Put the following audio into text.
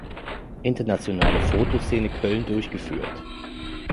Internationale Photoszene Köln durchgeführt.